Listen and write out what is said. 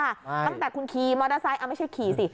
ตั้งแต่คุณขี่มอเตอร์ไซค์ไม่ใช่ขี่สิ